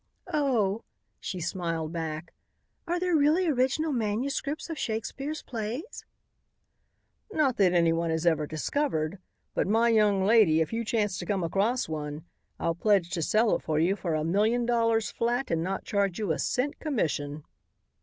"Oh," she smiled back, "are there really original manuscripts of Shakespeare's plays?" "Not that anyone has ever discovered. But, my young lady, if you chance to come across one, I'll pledge to sell it for you for a million dollars flat and not charge you a cent commission."